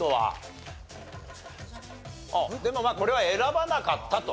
でもまあこれは選ばなかったと。